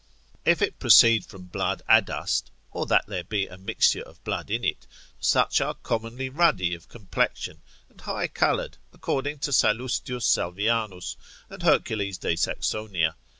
If it proceed from blood adust, or that there be a mixture of blood in it, such are commonly ruddy of complexion, and high coloured, according to Salust. Salvianus, and Hercules de Saxonia.